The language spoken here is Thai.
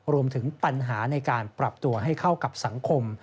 รวมถึงปัญหาในการปรับตัวให้เข้ากับสังคม